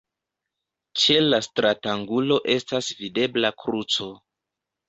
Ĉe la stratangulo estas videbla kruco.